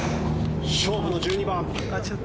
勝負の１２番。